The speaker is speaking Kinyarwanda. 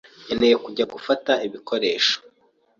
Nkeneye kujya gufata ibikoresho.